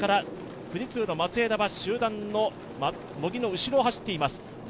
富士通の松枝は集団の茂木の後ろを走っています。